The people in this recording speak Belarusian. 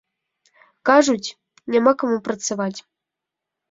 Кажуць, няма каму працаваць.